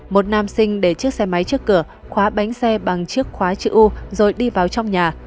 một nam sinh để chiếc xe máy trước cửa khóa bánh xe bằng chiếc khóa chữ u rồi đi vào trong nhà